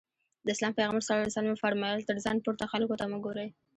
د اسلام پيغمبر ص وفرمايل تر ځان پورته خلکو ته مه ګورئ.